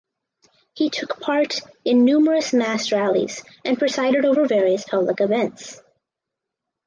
He took part in numerous mass rallies and presided over various public events.